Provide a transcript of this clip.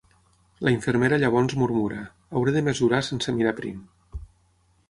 La infermera llavors murmura: "hauré de mesurar sense mirar prim".